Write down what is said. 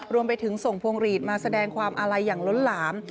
รวมไปถึงส่งพวงหลีดมาแสดงความอาลัยอย่างล้นหลาม